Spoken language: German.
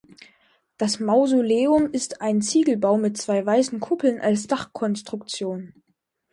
Das Mausoleum ist ein Ziegelbau mit zwei weißen Kuppeln als Dachkonstruktion.